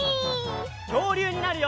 きょうりゅうになるよ！